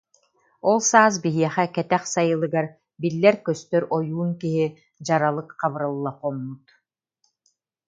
Ол саас биһиэхэ Кэтэх Сайылыгар биллэр-көстөр ойуун киһи Дьаралык Хабырылла хоммут